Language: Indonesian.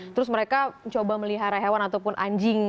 terus mereka coba melihara hewan ataupun anjing